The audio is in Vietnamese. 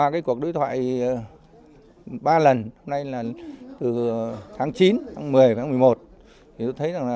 qua cuộc đối thoại ba lần hôm nay là từ tháng chín tháng một mươi tháng một mươi một